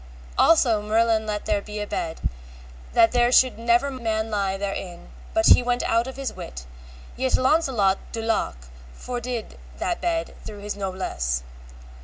Also Merlin let make there a bed, that there should never man lie therein but he went out of his wit, yet Launcelot de Lake fordid that bed through his noblesse.